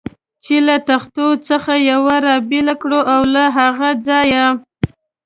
چې له تختو څخه یوه را بېله کړو او له هغه ځایه.